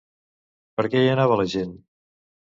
Per què hi anava la gent?